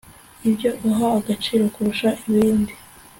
ibyo uha agaciro kurusha ibindi